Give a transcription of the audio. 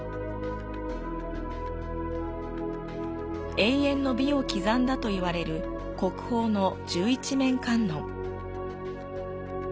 永遠の美を刻んだといわれる国宝の十一面観音。